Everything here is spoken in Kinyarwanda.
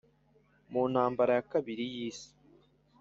mu ntambara ya kabiri y’isi